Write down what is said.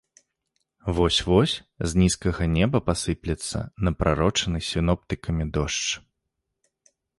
Вось-вось з нізкага неба пасыплецца напрарочаны сіноптыкамі дождж.